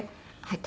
はい。